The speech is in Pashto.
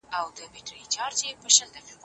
پلان جوړونه هیڅکله بې ارزښته او بې ګټي کار نه دی.